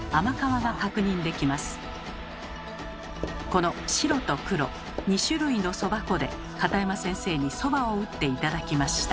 この白と黒２種類のそば粉で片山先生にそばを打って頂きました。